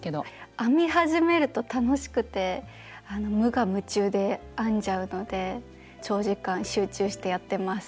編み始めると楽しくて無我夢中で編んじゃうので長時間集中してやってます。